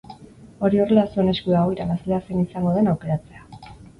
Hori horrela, zuen esku dago irabazlea zein izango den aukeratzea.